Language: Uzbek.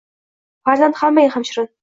Farzand hammaga ham shirin.